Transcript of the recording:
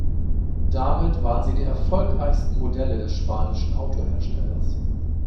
Damit waren sie die erfolgreichsten Modelle des spanischen Autoherstellers.